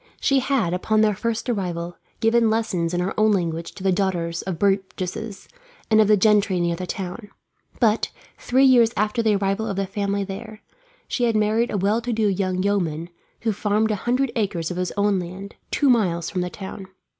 She had, upon their first arrival, given lessons in her own language to the daughters of burgesses, and of the gentry near the town; but, three years after the arrival of the family there, she had married a well to do young yeoman who farmed a hundred acres of his own land, two miles from the town.